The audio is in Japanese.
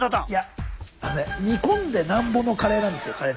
いや煮込んでなんぼのカレーなんですよ